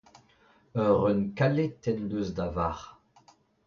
Ur reun kalet en deus da varc'h.